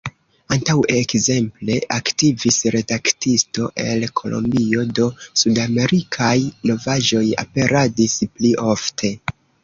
Antaŭe ekzemple aktivis redaktisto el Kolombio, do sudamerikaj novaĵoj aperadis pli ofte.